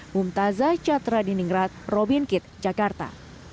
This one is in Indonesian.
bumtazah catra diningrat robin kitt jakarta